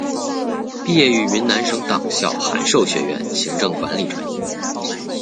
毕业于云南省委党校函授学院行政管理专业。